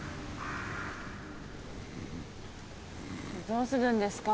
どうするんですか？